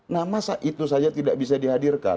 nah masa itu saja tidak bisa dihadirkan